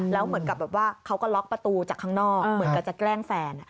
แล้วเหมือนกับแบบว่าเขาก็ล็อกประตูจากข้างนอกเหมือนกับจะแกล้งแฟน